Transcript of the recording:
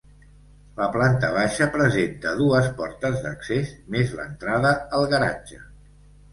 La planta baixa presenta dues portes d'accés més l'entrada al garatge.